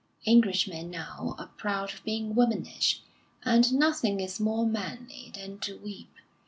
Englishmen now are proud of being womanish, and nothing is more manly than to weep.